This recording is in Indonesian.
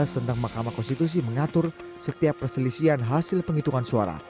tentang makama konstitusi mengatur setiap perselisian hasil penghitungan suara